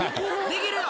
できるよ。